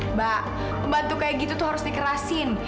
mbak pembantu kayak gitu tuh harus dikerasin